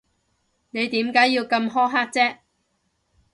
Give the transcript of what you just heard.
你點解要咁苛刻啫？